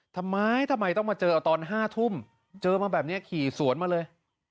ทำไมทำไมต้องมาเจอเอาตอน๕ทุ่มเจอมาแบบนี้ขี่สวนมาเลย